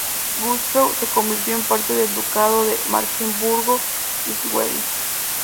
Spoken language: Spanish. Güstrow se convirtió en parte del ducado de Mecklemburgo-Schwerin.